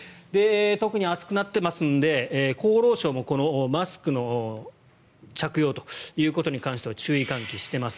特に暑くなってますので厚労省もマスクの着用ということに関しては注意喚起しています。